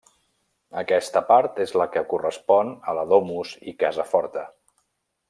Aquesta part és la que correspon a la domus i casa forta.